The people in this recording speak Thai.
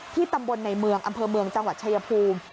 ตำบลในเมืองอำเภอเมืองจังหวัดชายภูมิ